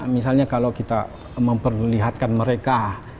misalnya kalau kita memperlihatkan mereka